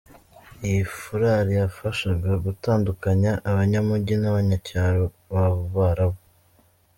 Iyi foulard yafashaga gutandukanya abanyamujyi n’abanyacyaro b’abarabu.